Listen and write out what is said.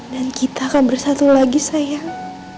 dan kita akan bersatu lagi sayang